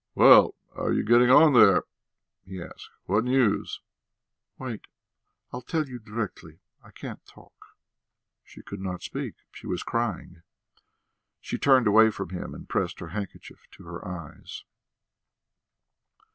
"Well, how are you getting on there?" he asked. "What news?" "Wait; I'll tell you directly.... I can't talk." She could not speak; she was crying. She turned away from him, and pressed her handkerchief to her eyes.